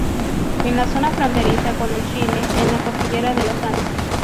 En la zona fronteriza con el Chile en la cordillera de los Andes.